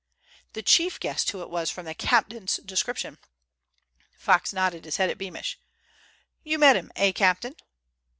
"The chief guessed who it was from the captain's description." Fox nodded his head at Beamish. "You met him, eh, captain?"